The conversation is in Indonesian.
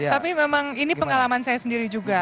tapi memang ini pengalaman saya sendiri juga